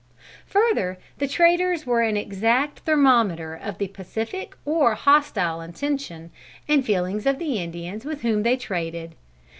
Further the traders were an exact thermometer of the pacific or hostile intention and feelings of the Indians with whom they traded.